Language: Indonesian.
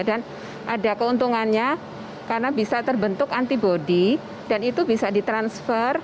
dan ada keuntungannya karena bisa terbentuk antibody dan itu bisa di transfer ke